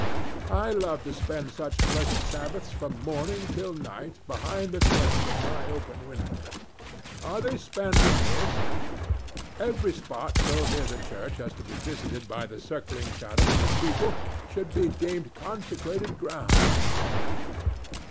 I love to spend such pleasant Sabbaths from morning till night behind the curtain of my open window. Are they spent amiss? Every spot so near the church as to be visited by the circling shadow of the steeple should be deemed consecrated ground to day.